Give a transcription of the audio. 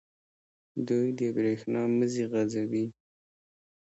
دوی د بریښنا مزي غځوي.